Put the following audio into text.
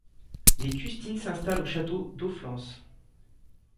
Les Custine s'installent au château d'Auflance.